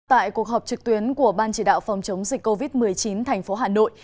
tại cuộc họp trực tuyến của ban chỉ đạo phòng chống dịch covid một mươi chín thành phố hà nội